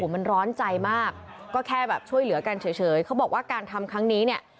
มันร้อนใจมากก็แค่แบบช่วยเหลือกันเฉยเขาบอกว่าการทำครั้งนี้เนี่ย